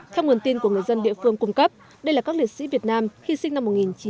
theo nguồn tin của người dân địa phương cung cấp đây là các liệt sĩ việt nam hy sinh năm một nghìn chín trăm bảy mươi